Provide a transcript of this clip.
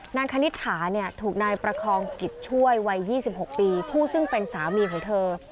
คณิตถาเนี่ยถูกนายประคองกิจช่วยวัย๒๖ปีผู้ซึ่งเป็นสามีของเธอ